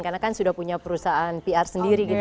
karena kan sudah punya perusahaan pr sendiri